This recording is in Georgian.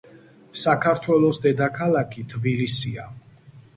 საქართველოს დედაქალაქი თბილისია.